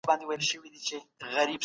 په ښوونځي کي وهل ټکول هیڅ ګټه نه لري.